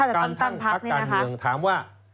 การทั่งพักการเมืองถามว่า